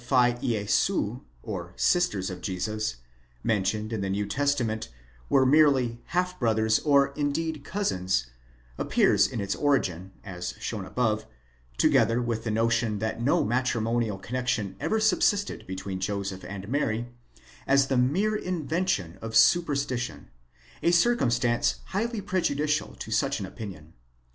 The opinion that the ἀδελφοὶ (brothers) and ἀδελφαὶ Ἰησοῦ (sisters of Jesus) mentioned in the New Testament, were merely half brothers or indeed cousins, appears in its origin, as shown above, together with the notion that no matri monial connexion ever subsisted between Joseph and Mary, as the mere invention of superstition, a circumstance highly prejudicial to such an opinion.